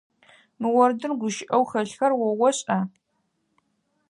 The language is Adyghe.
Мы орэдым гущыӏэу хэлъхэр о ошӏа?